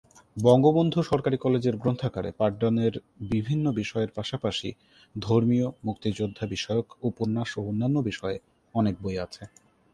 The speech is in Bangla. বঙ্গবন্ধু সরকারি কলেজের গ্রন্থাগারে পাঠদানের বিভিন্ন বিষয়ের পাশাপাশি ধর্মীয়, মুক্তিযোদ্ধা বিষয়ক, উপন্যাস ও অন্যান্য বিষয়ে অনেক বই আছে।